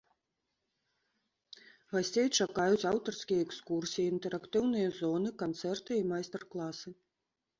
Гасцей чакаюць аўтарскія экскурсіі, інтэрактыўныя зоны, канцэрты і майстар-класы.